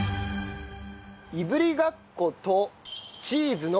いぶりがっことチーズのオイル漬。